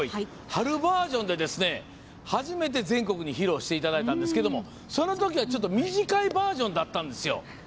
春バージョンで初めて全国に披露していただいたんですけどその時は、ちょっと短いバージョンだったんですよ。